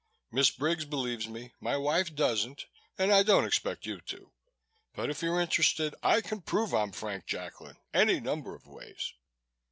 "Miss Briggs believes me, my wife doesn't, and I don't expect you to. But if you're interested, I can prove I'm Frank Jacklin any number of ways."